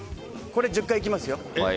これ１０回いきますよ。